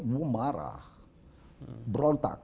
wah marah berontak